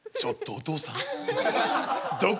お父さん！